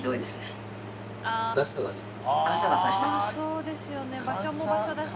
そうですよね場所も場所だし。